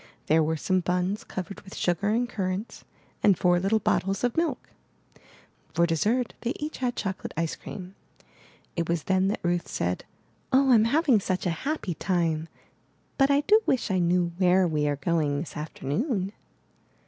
There were some buns covered with sugar and currants, and four little bottles of milk. For dessert they each had chocolate ice cream. It was then that Ruth said: *'0h, Fm having such a happy time, but I do wish I knew where we are going this afternoon.''